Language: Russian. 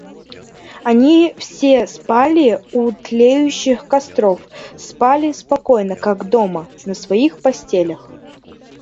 «Они все спали у тлеющих костров, спали спокойно, как дома на своих постелях.